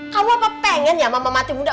kamu apa pengen ya mama mati muda